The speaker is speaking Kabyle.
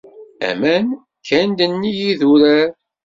Aman kkan-d nnig yidurar.